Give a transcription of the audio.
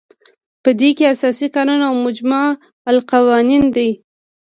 په دې کې اساسي قانون او مجمع القوانین دي.